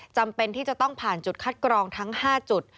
จำเป็นที่จะต้องผ่านจุดคัดกรองทั้ง๕จุด